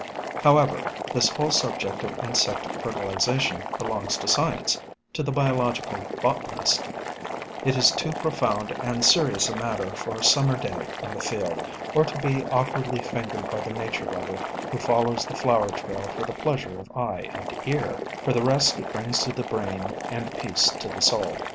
However, this whole subject of insect fertilization belongs to science, to the biological botanist ; it is too profound and serious a matter for a Summer day in the field, or to be awkwardly fingered by the nature lover who follows the flower trail for the pleasures of eye and ear, for the rest it brings to the brain and the peace to the soul.